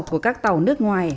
của các tàu nước ngoài